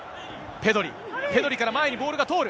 ペドリから前にボールが通る。